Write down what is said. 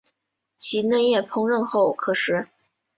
其嫩叶烹饪后可食。